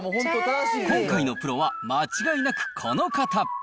今回のプロは間違いなくこの方。